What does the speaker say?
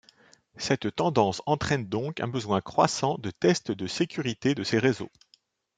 Cette tendance entraîne donc un besoin croissant de tests de sécurité de ces réseaux.